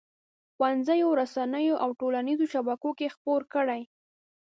ښوونځیو، رسنیو او ټولنیزو شبکو کې خپور کړي.